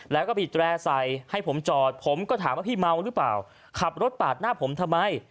แล้วก็บีดแร่ใส่ให้ผมจอดผมก็ถามว่าพี่เมาหรือเปล่าขับรถปาดหน้าผมทำไม